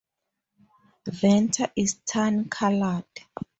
Venter is tan colored.